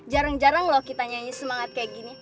jarang jarang loh kita nyanyi semangat kayak gini